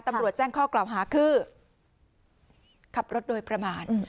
หรือแจ้งข้อกล่าวฮะคือขับรถโดยประมาณ